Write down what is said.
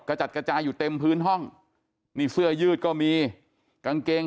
จัดกระจายอยู่เต็มพื้นห้องนี่เสื้อยืดก็มีกางเกง